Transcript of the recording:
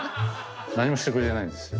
何もしてくれないんですよ。